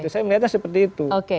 saya melihatnya seperti itu